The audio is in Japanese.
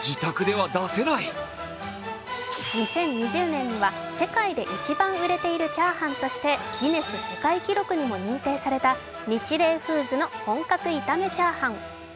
２０２０年には世界で一番売れている炒飯としてギネス世界記録にも認定されたニチレイフーズの本格炒め炒飯。